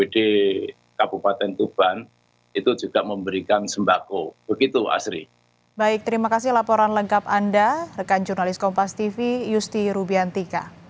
jadi kabupaten tuban itu juga memberikan sembako begitu asri